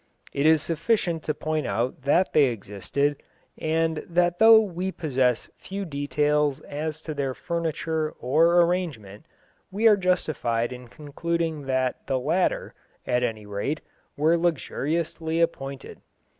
It is sufficient to point out that they existed, and that though we possess few details as to their furniture or arrangement, we are justified in concluding that the latter, at any rate, were luxuriously appointed.